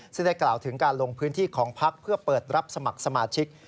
ซึ่งได้กล่าวถึงการลงพื้นที่ของพักเพื่อเปิดรับสมัครสมาชิก